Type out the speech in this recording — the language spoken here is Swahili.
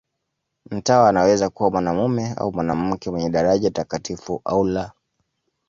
Mtawa anaweza kuwa mwanamume au mwanamke, mwenye daraja takatifu au la.